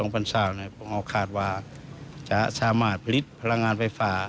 พรรษาคาดว่าจะสามารถผลิตพลังงานไฟฟ้า